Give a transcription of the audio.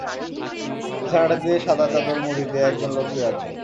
বিছানাটিতে সাদা চাদর মুড়ি দিয়ে একজন লোক শুয়ে আছে।